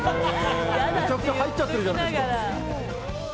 めちゃくちゃ入っちゃってるじゃないですか。